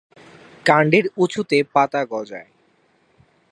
কাণ্ডের উঁচুতে পাতা গজায়।